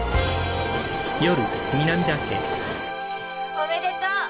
おめでとう！